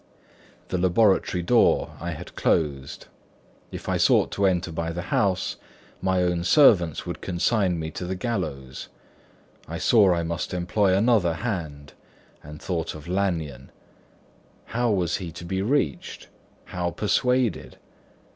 The laboratory door I had closed. If I sought to enter by the house, my own servants would consign me to the gallows. I saw I must employ another hand, and thought of Lanyon. How was he to be reached? how persuaded?